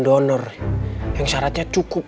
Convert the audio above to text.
dalam perhentian keluarga keinkf